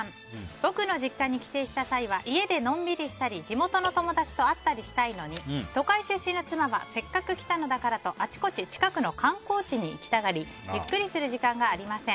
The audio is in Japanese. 僕の実家に帰省した際は家でのんびりしたり地元の友達と会ったりしたいのに都会出身の妻はせっかく来たのだからとあちこち近くの観光地に行きたがりゆっくりする時間がありません。